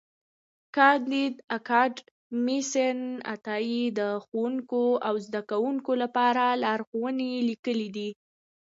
کانديد اکاډميسن عطایي د ښوونکو او زدهکوونکو لپاره لارښوونې لیکلې دي.